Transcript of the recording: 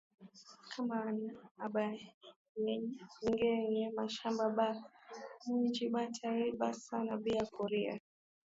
Kama abayengeye mashamba ba mwinji bata iba sana bia kuria